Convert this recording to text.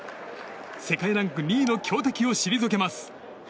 世界ランク２位の強敵を退けます。